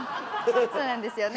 そうなんですよね。